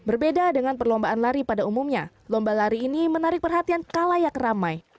berbeda dengan perlombaan lari pada umumnya lomba lari ini menarik perhatian kalayak ramai